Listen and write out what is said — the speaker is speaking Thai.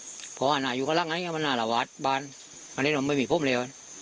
เพราะว่าอาหร่ายอยู่กับรักษณะนี้มันอารวาสบ้านอันนี้ผมไม่มีผมเลยว่ะ